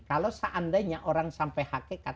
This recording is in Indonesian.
kalau seandainya orang sampai hakikat